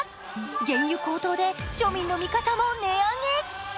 原油高騰で庶民の味方も値上げ。